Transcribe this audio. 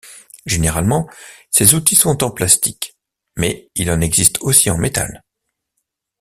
Généralement, ces outils sont en plastique, mais il en existe aussi en métal.